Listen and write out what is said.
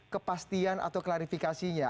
kepastian atau klarifikasinya